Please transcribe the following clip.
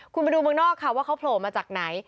คุณไปดูเมืองนอกค่ะว่าเขาโผล่มาจากไหน